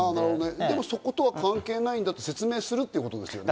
でも、そことは関係ないんだって説明するということですね。